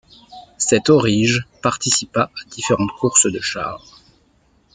Cet aurige participa à différentes courses de chars.